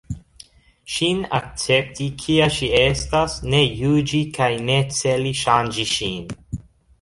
Ŝin akcepti, kia ŝi estas, ne juĝi kaj ne celi ŝanĝi ŝin.